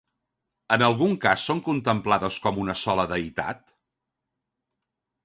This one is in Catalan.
En algun cas són contemplades com una sola deïtat?